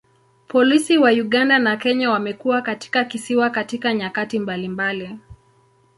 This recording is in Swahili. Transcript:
Polisi wa Uganda na Kenya wamekuwa katika kisiwa katika nyakati mbalimbali.